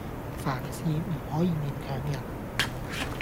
凡事唔可以勉強人